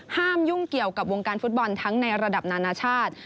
ยุ่งเกี่ยวกับวงการฟุตบอลทั้งในระดับนานาชาติ